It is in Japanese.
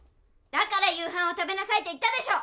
だから夕飯を食べなさいと言ったでしょ！